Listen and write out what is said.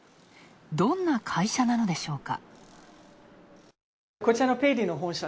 どんな会社なのでしょうか。